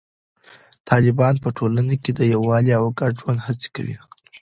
طالبان په ټولنه کې د یووالي او ګډ ژوند هڅې کوي.